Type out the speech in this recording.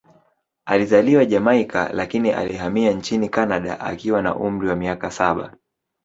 Alizaliwa Jamaika, lakini alihamia nchini Kanada akiwa na umri wa miaka saba.